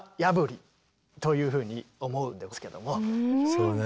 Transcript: そうね。